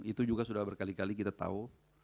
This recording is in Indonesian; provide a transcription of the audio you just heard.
itu juga sudah berkali kali kita tahu